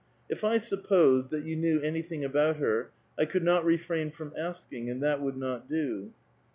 " If I supposed that you knew anything about her, I could not refrain f ix>m asking, and that would not do."